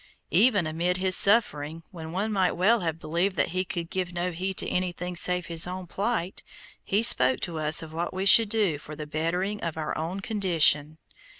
Even amid his suffering, when one might well have believed that he could give no heed to anything save his own plight, he spoke to us of what we should do for the bettering of our own condition.